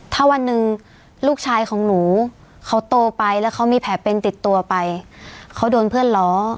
ถ้าวันหนึ่งลูกชายของหนูเขาโตไปแล้วเขามีแผลเป็นติดตัวไปเขาโดนเพื่อนล้อ